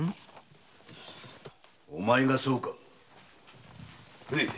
お前がそうか？